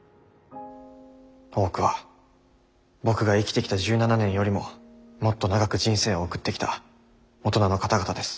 多くは僕が生きてきた１７年よりももっと長く人生を送ってきた大人の方々です。